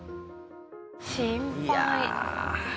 心配。